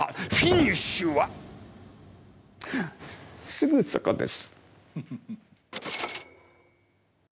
すぐそこです。